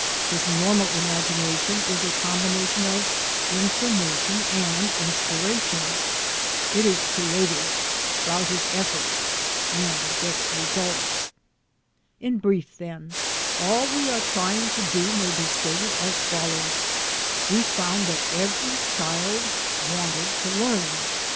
This normal imagination is a combination of in i8o THE ADVENTURES OF A NATURE GUIDE formation and inspiration; it is creative, rouses effort, and gets results. In brief, then, all we are trying to do may be stated as follows: We found that every child wanted to learn.